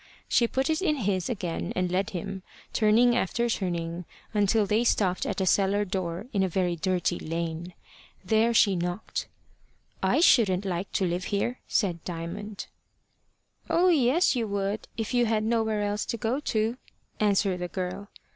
She put it in his again, and led him, turning after turning, until they stopped at a cellar door in a very dirty lane. There she knocked. "I shouldn't like to live here," said Diamond. "Oh, yes, you would, if you had nowhere else to go to," answered the girl.